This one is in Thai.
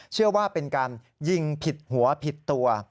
เชื่อว่าเป็นการยิงผิดหัวผิดตัว